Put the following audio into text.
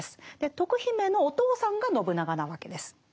徳姫のお父さんが信長なわけです。